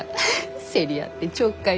競り合ってちょっかい出して。